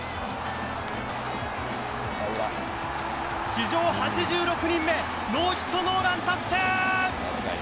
史上８６人目、ノーヒットノーラン達成。